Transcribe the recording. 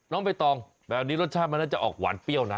ใบตองแบบนี้รสชาติมันน่าจะออกหวานเปรี้ยวนะ